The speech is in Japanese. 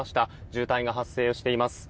渋滞が発生しています。